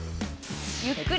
ゆっくり。